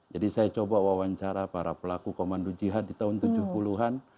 jadi saya coba wawancara para pelaku komando jihad di tahun tujuh puluh an